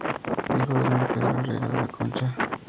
Hijo de don Pedro Herrera de la Concha.